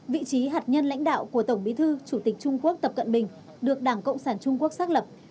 vị trí hạt nhân lãnh đạo của tổng bí thư chủ tịch trung quốc tập cận bình được đảng cộng sản trung quốc xác lập